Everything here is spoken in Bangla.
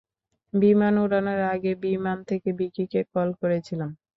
বিমান উড়ানোর আগে বিমান থেকে ভিকিকে কল করেছিলাম।